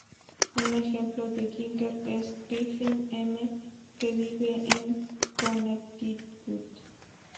Un ejemplo de Ginger es Griffin M. que vive en Connecticut.